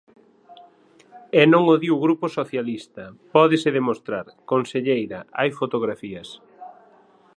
E non o di o Grupo Socialista, pódese demostrar, conselleira, hai fotografías.